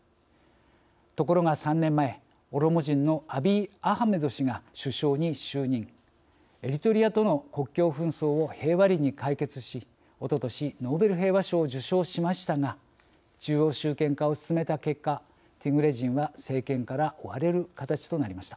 ところが３年前、オロモ人のアビー・アハメド氏が首相に就任エリトリアとの国境紛争を平和裏に解決しおととしノーベル平和賞を受賞しましたが中央集権化を進めた結果ティグレ人は政権から追われる形となりました。